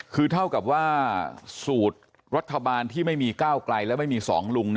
คือเท่ากับว่าสูตรรัฐบาลที่ไม่มีก้าวไกลและไม่มีสองลุง